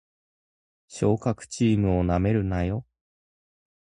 昇格チームを舐めるなよ